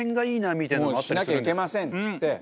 もうしなきゃいけませんっつって。